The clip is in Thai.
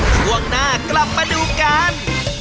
ช่วงหน้ากลับมาดูกัน